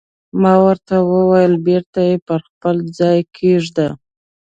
ما ورته وویل: بېرته یې پر خپل ځای کېږده.